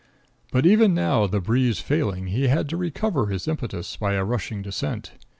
But even now, the breeze failing, he had to recover his impetus by a rushing descent.